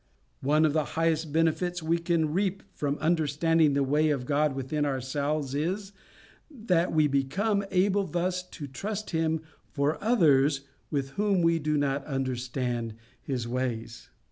One of the highest benefits we can reap from understanding the way of God with ourselves is, that we become able thus to trust Him for others with whom we do not understand His ways.